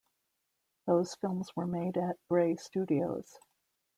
Those films were made at Bray Studios.